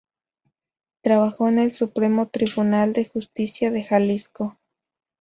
Trabajó en el Supremo Tribunal de Justicia de Jalisco.